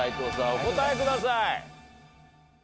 お答えください。